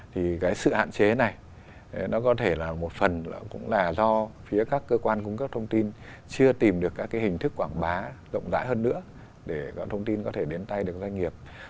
thì cái sự hạn chế này nó có thể là một phần cũng là do phía các cơ quan cung cấp thông tin chưa tìm được các cái hình thức quảng bá rộng rãi hơn nữa để các thông tin có thể đến tay được doanh nghiệp